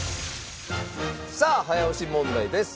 さあ早押し問題です。